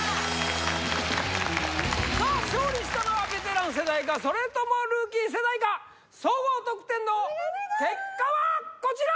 さあ勝利したのはベテラン世代かそれともルーキー世代か総合得点の結果はこちら！